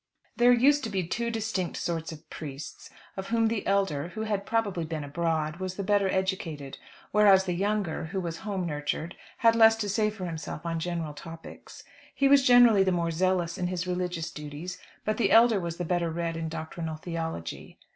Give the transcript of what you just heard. There used to be two distinct sorts of priests; of whom the elder, who had probably been abroad, was the better educated; whereas the younger, who was home nurtured, had less to say for himself on general topics. He was generally the more zealous in his religious duties, but the elder was the better read in doctrinal theology.